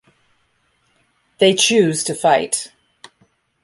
They choose to fight.